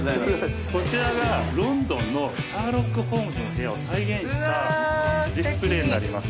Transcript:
こちらがロンドンのシャーロック・ホームズの部屋を再現したディスプレーになります。